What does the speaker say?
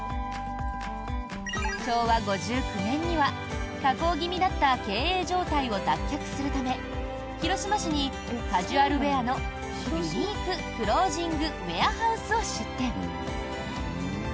昭和５９年には下降気味だった経営状態を脱却するため広島市にカジュアルウェアのユニーク・クロージング・ウェアハウスを出店。